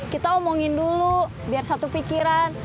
kita omongin dulu biar satu pikiran